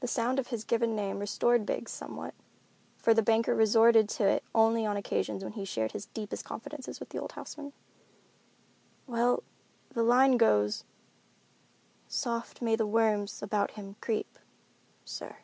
The sound of his given name restored Biggs somewhat, for the banker resorted to it only on occasions when he shared his deepest confidences with his old houseman. "Well, the line goes, 'Soft may the worms about him creep,' sir."